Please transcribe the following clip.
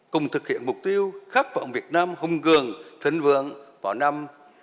cùng thực hiện mục tiêu khắc phỏng việt nam hung cường thịnh vượng vào năm hai nghìn bốn mươi năm